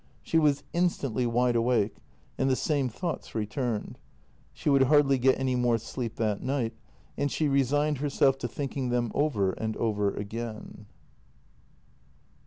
She was instantly wide awake, and the same thoughts returned; she would hardly get any more sleep that night, and sjie re signed herself to thinking them over and over again.